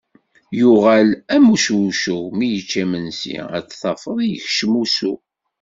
Yuɣal am ucewcew mi yečča imensi a t-tafeḍ yekcem usu.